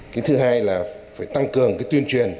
cái thứ hai là phải tăng cường cái tuyên truyền